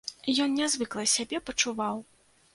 Ён нязвыкла сябе пачуваў.